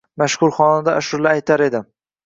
Mashhur xonanda ashula aytar edi